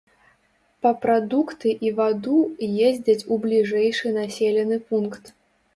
Па прадукты і ваду ездзяць у бліжэйшы населены пункт.